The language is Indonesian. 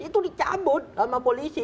itu dicabut sama polisi